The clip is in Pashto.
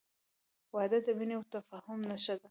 • واده د مینې او تفاهم نښه ده.